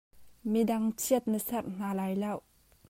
Midang chiat na serh hna lai lo.